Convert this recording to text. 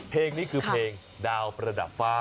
เพลงนี้คือเพลงดาวประดับฝ้า